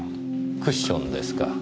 クッションですか。